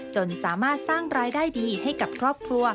จนสามารถสร้างรายได้ดีให้กับครอบครัว